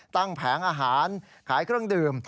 แผงอาหารขายเครื่องดื่ม